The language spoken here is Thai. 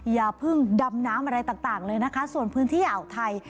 อย่าเพิ่งดำน้ำอะไรต่างเลยนะคะส่วนพื้นที่อ่าวไทย